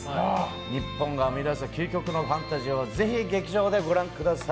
日本が生み出す究極のファンタジーをぜひ劇場でご覧ください。